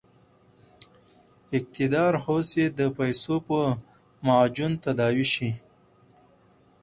اقتدار هوس یې د پیسو په معجون تداوي شي.